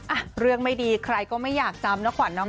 อ่ะเรื่องไม่ดีใครก็ไม่อยากจำนะขวัญเนาะ